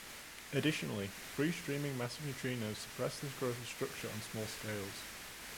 Additionally, free-streaming massive neutrinos suppress the growth of structure on small scales.